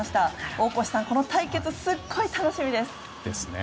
大越さん、この対決すごい楽しみです！ですね。